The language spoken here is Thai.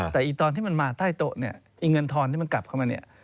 แต่ตอนที่มันมาใต้โต๊ะเนี่ยไอ้เงินทอนที่มันกลับเข้ามาเนี่ย